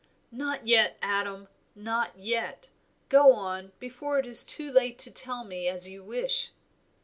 "Not yet, Adam! not yet! Go on, before it is too late to tell me as you wish."